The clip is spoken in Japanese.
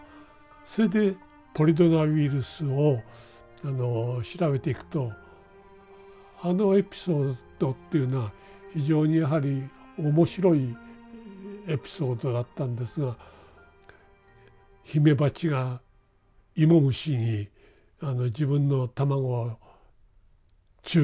それでポリドナウイルスをあの調べていくとあのエピソードっていうのは非常にやはり面白いエピソードだったんですがヒメバチがイモムシに自分の卵を注入すると。